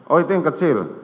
oh itu yang kecil